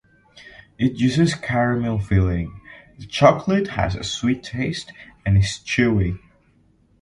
It uses caramel filling, the chocolate has a sweet taste, and is chewy.